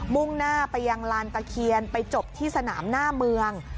่งหน้าไปยังลานตะเคียนไปจบที่สนามหน้าเมือง